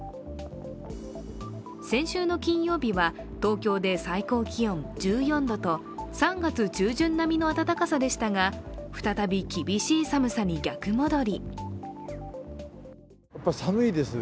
先週の金曜日は東京で最高気温１４度と３月中旬並みの暖かさでしたが再び厳しい寒さに逆戻り。